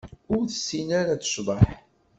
Ur tessin ara ad tecḍeḥ.